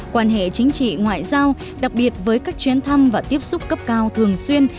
quan hệ chính trị ngoại giao đặc biệt với các chuyến thăm và tiếp xúc cấp cao thường xuyên